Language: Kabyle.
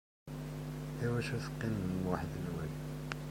Iwacu teqqimem weḥd-wen?